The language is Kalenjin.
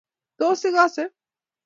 Tos ikose?